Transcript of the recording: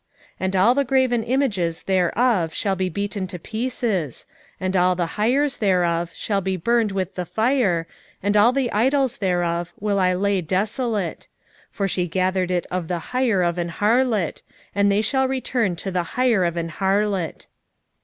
1:7 And all the graven images thereof shall be beaten to pieces, and all the hires thereof shall be burned with the fire, and all the idols thereof will I lay desolate: for she gathered it of the hire of an harlot, and they shall return to the hire of an harlot.